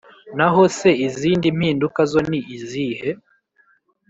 Naho se izindi mpinduka zo ni izihe?